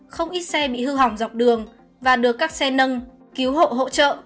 không ít xe bị hư hỏng dọc đường và được các xe nâng cứu hộ hỗ trợ